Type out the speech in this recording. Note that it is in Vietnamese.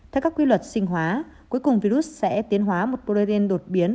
theo các quy luật sinh hóa cuối cùng virus sẽ tiến hóa một protein đột biến